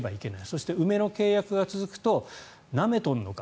そして、梅の契約が続くとなめとんのか